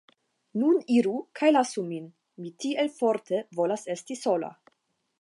Nun iru kaj lasu min, mi tiel forte volas esti sola!